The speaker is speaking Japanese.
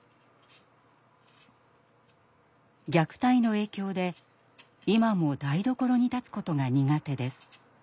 虐待の影響で今も台所に立つことが苦手です。